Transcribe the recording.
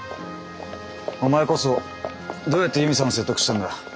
お前こそどうやって悠美さんを説得したんだ？